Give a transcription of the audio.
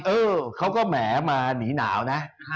เออเขาก็แหมมาหนีหนาวนะ